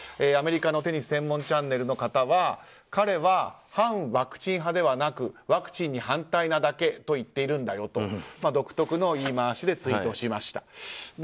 アメリカのテニス専門チャンネルの方は彼は反ワクチン派ではなくワクチンに反対なだけと言っているんだよと独特の言い回しでツイートしました。